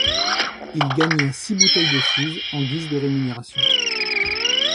Il gagna six bouteilles de Suze en guise de rémunération.